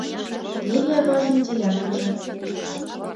Теве аважын делянкыже.